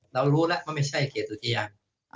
เรารู้แล้วว่าไม่ใช่เขตอุทยาน